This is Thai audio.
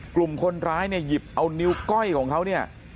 กลุ่มคนร้ายเนี่ยหยิบเอานิ้วก้อยของเขาเนี่ย